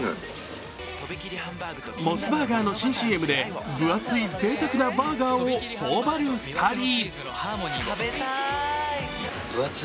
モスバーガーの新ＣＭで分厚いぜいたくなバーガーを頬張る２人。